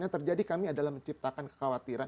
yang terjadi kami adalah menciptakan kekhawatiran